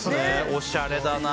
おしゃれだな。